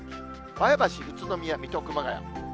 前橋、宇都宮、水戸、熊谷。